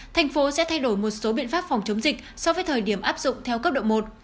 thành phố sẽ thay đổi một số biện pháp phòng chống dịch so với thời điểm áp dụng theo cấp độ một